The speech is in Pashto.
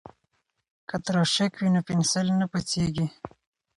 که تراشک وي نو پنسل نه پڅیږي.